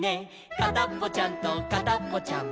「かたっぽちゃんとかたっぽちゃん」